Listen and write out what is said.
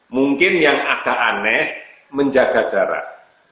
mungkin yang agak aneh menjaga jarak